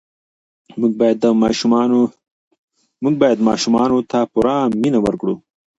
موږ باید ماشومانو ته پوره مینه ورکړو.